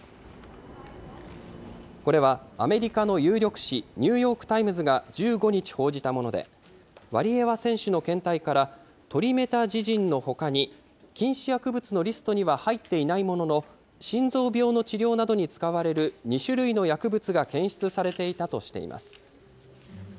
これはアメリカの有力紙、ニューヨーク・タイムズが１５日報じたもので、ワリエワ選手の検体から、トリメタジジンのほかに、禁止薬物のリストには入っていないものの、心臓病の治療などに使われる２種類の薬物が検出されていたとしています。